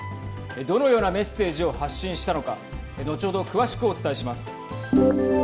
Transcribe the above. どのようなメッセージを発信したのか後ほど詳しくお伝えします。